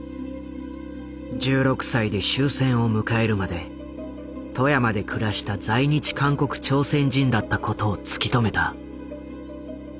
１６歳で終戦を迎えるまで富山で暮らした在日韓国・朝鮮人だったことを突き止めた。